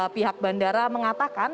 pihak bandara mengatakan